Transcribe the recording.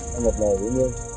đang ngập lờ hữu nhiên